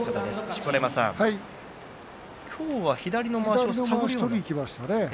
錣山さん、今日は左のまわしを取りにいきましたね。